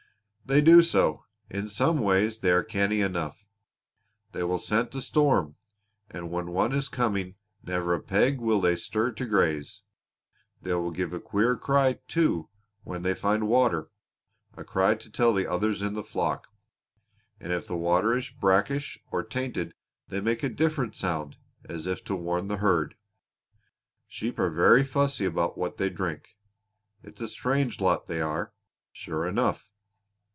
"They do so. In some ways they are canny enough. They will scent a storm, and when one is coming never a peg will they stir to graze. They give a queer cry, too, when they find water a cry to tell the others in the flock; and if the water is brackish or tainted they make a different sound as if to warn the herd. Sheep are very fussy about what they drink. It's a strange lot they are, sure enough!"